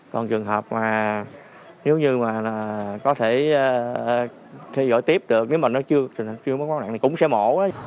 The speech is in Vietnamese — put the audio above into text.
còn trường hợp mà có thể theo dõi tiếp được nếu mà nó chưa mất máu nặng thì cũng sẽ mổ